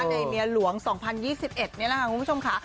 ในเมียหลวง๒๐๒๑ของทุกผู้ชมค่ะ